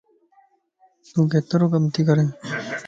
تون ڪيترو ڪم تي ڪرين؟